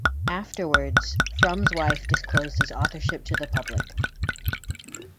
Afterwards, Frum's wife disclosed his authorship to the public.